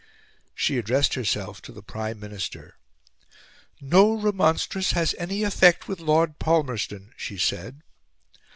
She addressed herself to the Prime Minister. "No remonstrance has any effect with Lord Palmerston," she said.